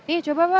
ini coba pak